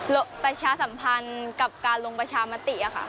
ประชาสัมพันธ์กับการลงประชามติค่ะ